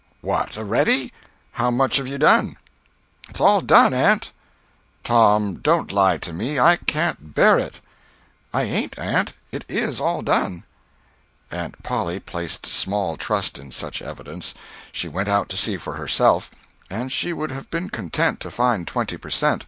"What, a'ready? How much have you done?" "It's all done, aunt." "Tom, don't lie to me—I can't bear it." "I ain't, aunt; it is all done." Aunt Polly placed small trust in such evidence. She went out to see for herself; and she would have been content to find twenty per cent.